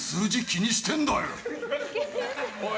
おい！